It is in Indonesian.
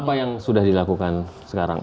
apa yang sudah dilakukan sekarang